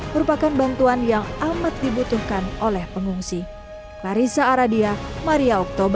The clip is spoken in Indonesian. merupakan bantuan yang amat dibutuhkan oleh pengungsi